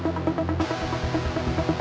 wadi naik naik